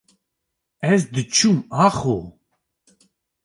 ez diçûm axo.